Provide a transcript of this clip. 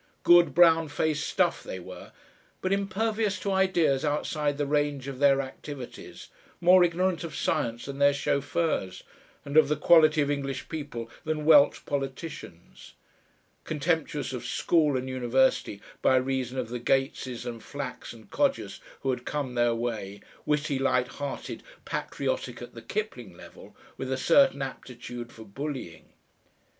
Good, brown faced stuff they were, but impervious to ideas outside the range of their activities, more ignorant of science than their chauffeurs, and of the quality of English people than welt politicians; contemptuous of school and university by reason of the Gateses and Flacks and Codgers who had come their way, witty, light hearted, patriotic at the Kipling level, with a certain aptitude for bullying.